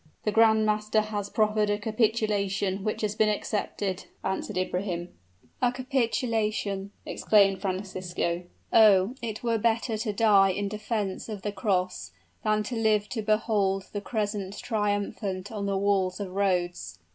"The grand master has proffered a capitulation, which has been accepted," answered Ibrahim. "A capitulation!" exclaimed Francisco. "Oh! it were better to die in defense of the cross, than live to behold the crescent triumphant on the walls of Rhodes!"